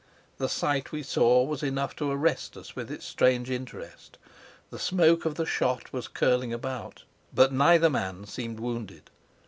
The sight we saw was enough to arrest us with its strange interest. The smoke of the shot was curling about, but neither man seemed wounded.